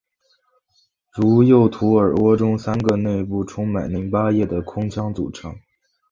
如右图耳蜗由三个内部充满淋巴液的空腔组成。